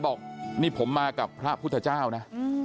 บอกนี่ผมมากับพระพุทธเจ้านะ